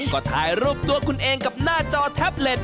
ก็ถ่ายรูปตัวคุณเองกับหน้าจอแท็บเล็ต